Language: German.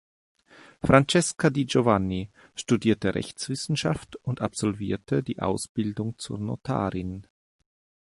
Francesca Di Giovanni studierte Rechtswissenschaft und absolvierte die Ausbildung zur Notarin.